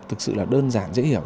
thực sự là đơn giản dễ hiểu